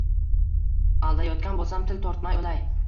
– Aldayotgan bo‘lsam, til tortmay o‘lay